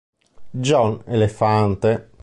John Elefante